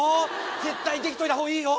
絶対できといたほうがいいよ。